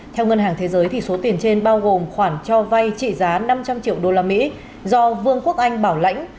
theo ngân hàng thế giới số tiền trên bao gồm khoản cho vay trị giá năm trăm linh triệu usd do vương quốc anh bảo lãnh